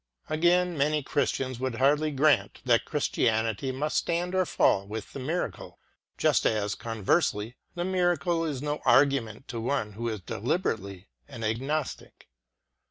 Again many Christians would hardly grant that Christianity must stand or fall with the mir acle; just as, conversely, the miracle is no argu ment to one who is deliberately an agnostic.